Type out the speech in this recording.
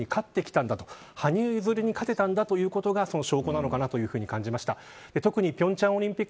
そんな中で自分自身に勝ってきたんだと羽生結弦に勝てたんだということがその証拠だと感じました。